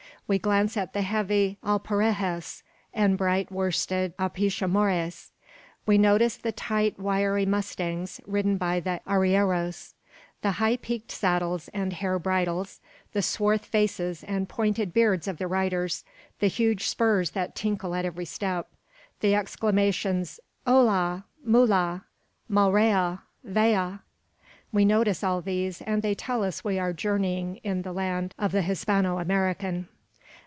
We glance at the heavy alparejas and bright worsted apishamores. We notice the tight wiry mustangs, ridden by the arrieros; the high peaked saddles and hair bridles; the swarth faces and pointed beards of the riders; the huge spurs that tinkle at every step; the exclamations, "Hola, mula! malraya! vaya!" We notice all these, and they tell us we are journeying in the land of the Hispano American.